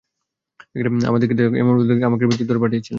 আমার দিকে এভাবে তাকাবেন না আপনি আমাকে মৃত্যুর দোয়ারে পাঠিয়েছিলেন!